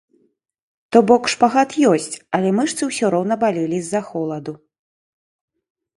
То бок, шпагат ёсць, але мышцы ўсё роўна балелі з-за холаду.